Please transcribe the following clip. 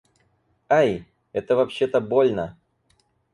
Ай! Это вообще-то больно!